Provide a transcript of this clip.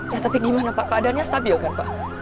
ya tapi gimana pak keadaannya stabil kan pak